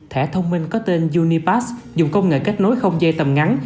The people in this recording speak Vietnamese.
thẻ thông minh có tên unipas dùng công nghệ kết nối không dây tầm ngắn